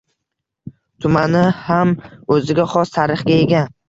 Tumani ham o‘ziga xos tarixga ega.